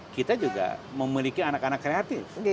kita juga memiliki anak anak kreatif